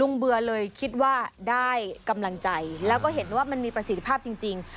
เบื่อเลยคิดว่าได้กำลังใจแล้วก็เห็นว่ามันมีประสิทธิภาพจริง